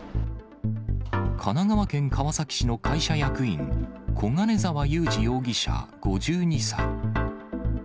神奈川県川崎市の会社役員、小金沢裕治容疑者５２歳。